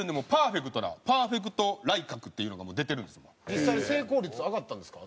実際成功率は上がったんですか？